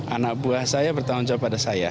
anak buah saya bertanggung jawab pada saya